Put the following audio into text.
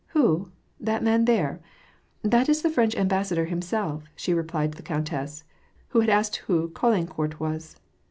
— Who ? that man there ? That is the French ambassador himself," she replied to the countess, who asked who Caulaincourt was.